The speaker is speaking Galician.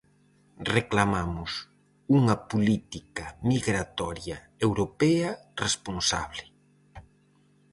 Reclamamos unha política migratoria europea responsable.